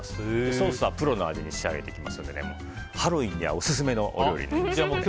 ソースはプロの味に仕上げていきますのでハロウィーンにはオススメのお料理です。